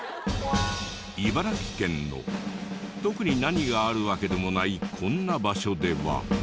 茨城県の特に何があるわけでもないこんな場所では。